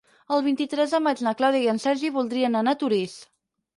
El vint-i-tres de maig na Clàudia i en Sergi voldrien anar a Torís.